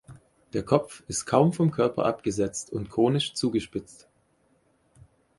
Der Kopf ist kaum vom Körper abgesetzt und konisch zugespitzt.